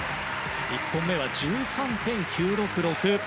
１本目は１３．９６６。